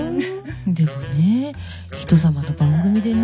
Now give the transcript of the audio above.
でもね人様の番組でね？